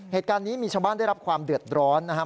เหตุการณ์นี้มีชาวบ้านได้รับความเดือดร้อนนะครับ